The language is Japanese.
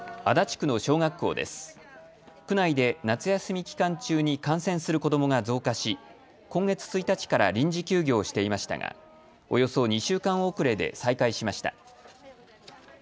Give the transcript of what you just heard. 区内で夏休み期間中に感染する子どもが増加し、今月１日から臨時休業していましたがおよそ２週間遅れで再開しました。